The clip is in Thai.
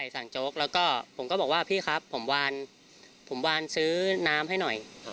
สั่งโจ๊กแล้วก็ผมก็บอกว่าพี่ครับผมวานผมวานซื้อน้ำให้หน่อย